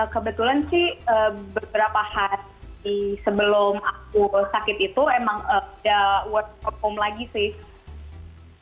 kebetulan sih beberapa hari sebelum aku sakit itu emang ada work from home lagi sih